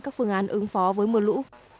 các phương án ứng phó với mưa lũ